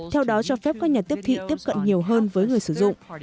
theo đó cho phép các nhà tiếp thị tiếp cận nhiều hơn với người sử dụng